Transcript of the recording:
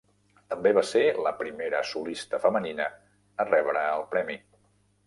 També va ser la primera solista femenina a rebre el premi.